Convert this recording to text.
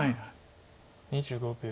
２５秒。